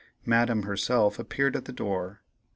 Madame herself appeared at the door.